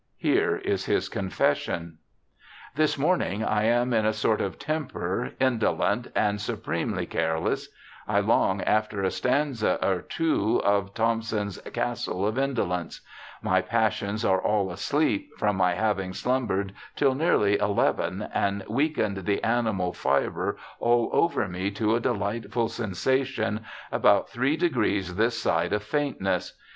Here is his confession : 'This morning I am in a sort of temper, indolent and supremely careless — I long after a stanza or two of Thomson's Castle of Indolence — my passions are all asleep from my having slumbered till nearly eleven and weakened the animal fibre all over me to a delightful sensation about three degrees this side of faintness.